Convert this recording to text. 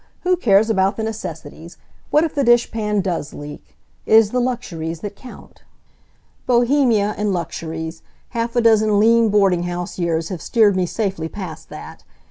Who cares about the necessities! What if the dishpan does leak? It is the luxuries that count." Bohemia and luxuries! Half a dozen lean boarding house years have steered me safely past that.